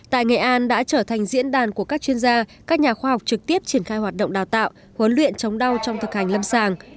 tại nghệ an đã trở thành diễn đàn của các chuyên gia các nhà khoa học trực tiếp triển khai hoạt động đào tạo huấn luyện chống đau trong thực hành lâm sàng